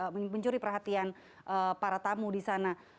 mencuri perhatian para tamu di sana